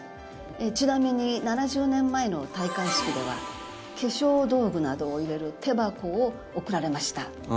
ちなみに７０年前の戴冠式では化粧道具などを入れる手箱を贈られました。